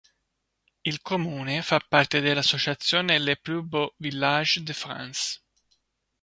Il comune fa parte dell'associazione Les Plus Beaux Villages de France.